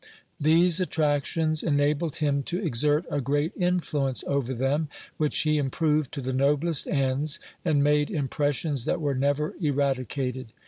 These attractions enabled him to exert a great influence over them, which he improved to the noblest ends, and made impressions that were never eradicated.